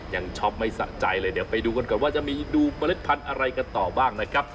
ช็อปไม่สะใจเลยเดี๋ยวไปดูกันก่อนว่าจะมีดูเมล็ดพันธุ์อะไรกันต่อบ้างนะครับ